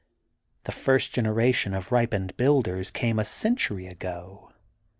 The first generation of ripened builders came a century ago.